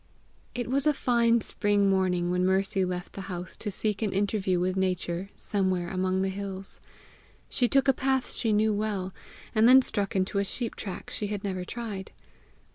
It was a fine spring morning when Mercy left the house to seek an interview with Nature somewhere among the hills. She took a path she knew well, and then struck into a sheep track she had never tried.